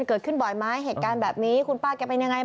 เกิดขึ้นบ่อยไหมเหตุการณ์แบบนี้คุณป้าแกเป็นยังไง